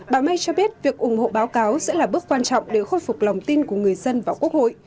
bà may cho biết việc ủng hộ báo cáo sẽ là bước quan trọng để khôi phục lòng tin của người dân vào quốc hội